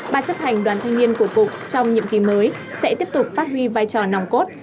ba chấp hành đoàn thanh niên của cục trong nhiệm kỳ mới sẽ tiếp tục phát huy vai trò nòng cốt